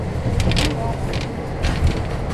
Rurópolis